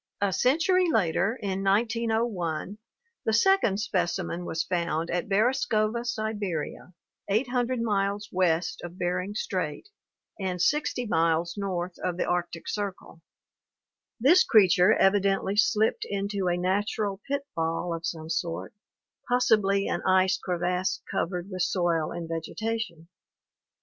A century later, in 1901, the second specimen (see PL VI) was found at Beresovka, Siberia, 800 miles west of Bering Strait and 60 miles north of the Arctic Circle. This creature evidently slipped into a natural pitfall of some sort, possibly an ice crevasse covered with soil and vegetation.